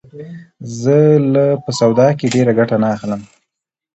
زه له په سواد کښي ډېره ګټه نه اخلم.